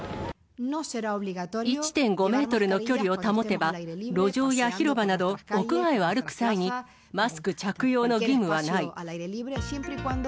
１．５メートルの距離を保てば、路上や広場など、屋外を歩く際に、マスク着用の義務はない。